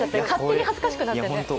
勝手に恥ずかしくなってね。